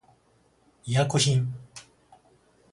医薬品